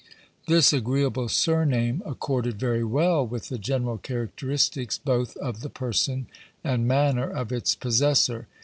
This agreeable surname accorded very well with the general characteristics both of the person and manner of its possessor.